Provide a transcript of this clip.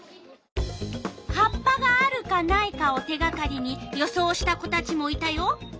葉っぱがあるかないかを手がかりに予想した子たちもいたよ。